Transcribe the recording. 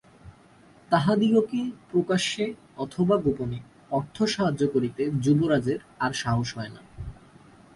তাহাদিগকে প্রকাশ্যে অথবা গােপনে অর্থ সাহায্য করিতে যুবরাজের আর সাহস হয় না।